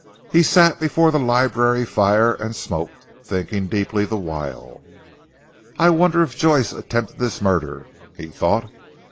He sat before the library fire and smoked, thinking deeply the while. "I wonder if Joyce attempted this murder," he thought.